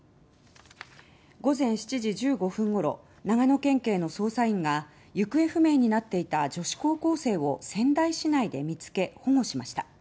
午前７時１５分頃長野県警の捜査員が行方不明になっていた女子高校生を仙台市内で見つけ保護しました。